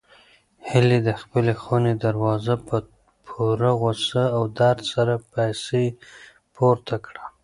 هیلې د خپلې خونې دروازه په پوره غوسه او درد سره پسې پورته کړه.